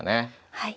はい。